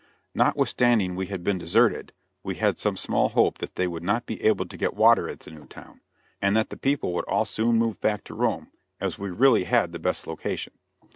Notwithstanding we had been deserted, we had some small hope that they would not be able to get water at the new town, and that the people would all soon move back to Rome, as we really had the best location.